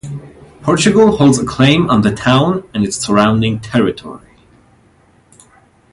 Portugal holds a claim on the town and its surrounding territory.